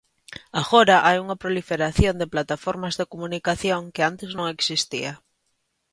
Agora hai unha proliferación de plataformas de comunicación que antes non existía.